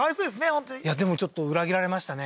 本当にでもちょっと裏切られましたね